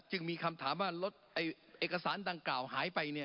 จึงมีคำถามว่าเอกสารดังกล่าวหายไปเนี่ย